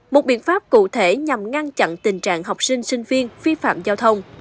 một biện pháp cụ thể nhằm ngăn chặn tình trạng học sinh sinh viên vi phạm giao thông